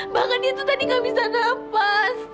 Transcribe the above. bahkan dia tuh tadi gak bisa nafas